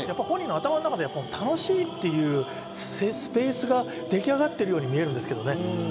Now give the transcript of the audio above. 本人の頭の中で楽しいというスペースが出来上がっているように見えるんですけどね。